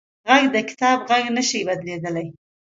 غږ د کتاب غږ نه شي بدلېدلی